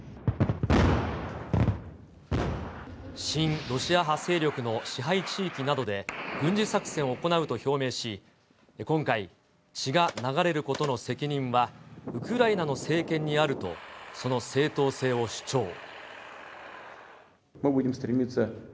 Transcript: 親ロシア派勢力の支配地域などで、軍事作戦を行うと表明し、今回、血が流れることの責任はウクライナの政権にあると、その正当性を主張。